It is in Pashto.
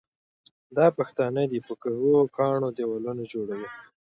دا پښتانه دي او د کږو کاڼو دېوالونه جوړوي.